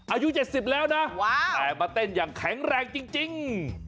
อายุ๗๐แล้วนะแต่มาเต้นอย่างแข็งแรงจริง